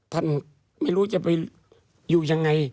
ท่านไม่รู้จะไปอยู่ยังไง